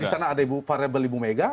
di sana ada ibu variable ibu mega